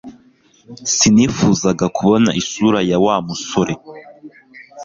Sinifuzaga kubona isura ya Wa musore